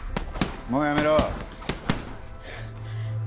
もうやめろ。